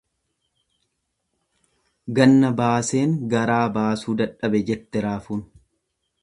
Ganna baaseen garaa baasuu dadhabe jette raafuun.